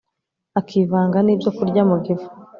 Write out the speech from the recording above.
akivanga nibyokurya mu gifu